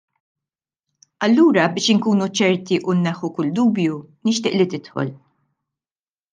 Allura biex inkunu ċerti u nneħħu kull dubju nixtieq li tidħol.